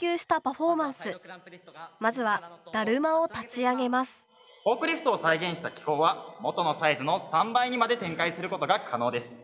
フォークリフトを再現した機構は元のサイズの３倍にまで展開することが可能です。